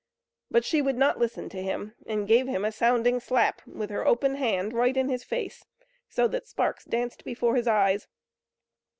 But she would not listen to him, and gave him a sounding slap with her open hand right in his face, so that sparks danced before his eyes.